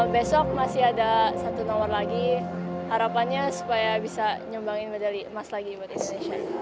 besok masih ada satu nomor lagi harapannya supaya bisa nyumbangin medali emas lagi buat indonesia